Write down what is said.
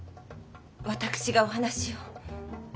私がお話を。